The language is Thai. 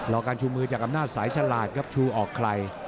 การชูมือจากอำนาจสายฉลาดครับชูออกใคร